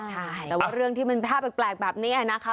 ใช่แต่ว่าเรื่องที่มันภาพแปลกแบบนี้นะคะ